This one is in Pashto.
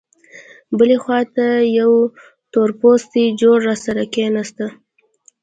بلې خوا ته یوه تورپوستې جوړه راسره کېناسته.